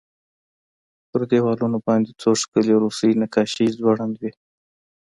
په دېوالونو باندې څو ښکلې روسي نقاشۍ ځوړندې وې